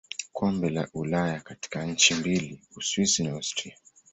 Kombe la Ulaya katika nchi mbili Uswisi na Austria.